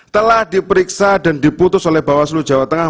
telah diperiksa dan diputus oleh bawaslu jawa tengah